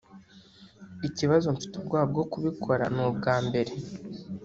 ikibazo mfite ubwoba bwo kubikora ni ubwambere